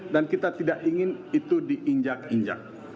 dan kita tidak ingin itu diinjak injak